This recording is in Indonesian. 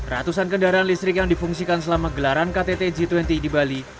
ratusan kendaraan listrik yang difungsikan selama gelaran ktt g dua puluh di bali